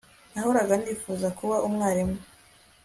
Nahoraga nifuza kuba umwarimu